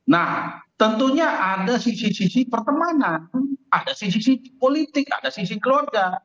nah tentunya ada sisi sisi pertemanan ada sisi sisi politik ada sisi keluarga